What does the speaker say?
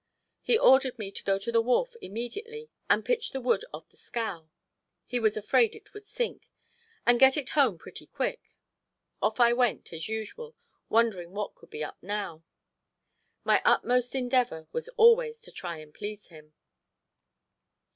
He ordered me to go to the wharf immediately and "pitch the wood off the scow," he was afraid it would sink, "and get it home pretty quick!" Off I went, as usual, wondering what could be up now. My utmost endeavor was always to try and please him.